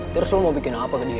terus lo mau bikin apa ke dia